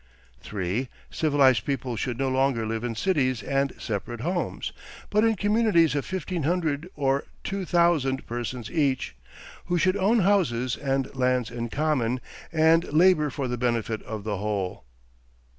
3. Civilized people should no longer live in cities and separate homes, but in communities of fifteen hundred or two thousand persons each, who should own houses and lands in common, and labor for the benefit of the whole.